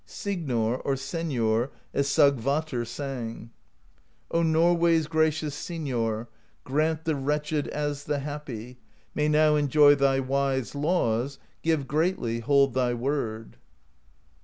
Signor, or Senor, as Sigvatr sang: O Norway's gracious Signor, Grant the wretched, as the happy, May now enjoy thy wise laws; Give greatly, hold thy word!